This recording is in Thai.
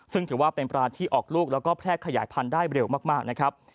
ซึ่งถือว่าเป็นปลาที่ออกลูกแล้วก็แพร่ขยายพันธุ์ได้เร็วมากนะครับ